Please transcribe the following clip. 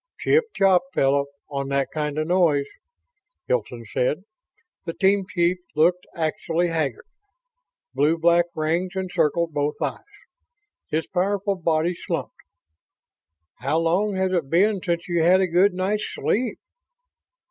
"Chip chop, fellow, on that kind of noise," Hilton said. The team chief looked actually haggard. Blue black rings encircled both eyes. His powerful body slumped. "How long has it been since you had a good night's sleep?"